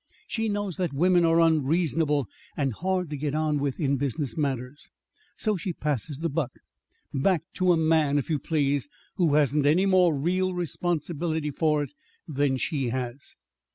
She knows that women are unreasonable and hard to get on with in business matters, so she passes the buck! Back to a man, if you please, who hasn't any more real responsibility for it than she has."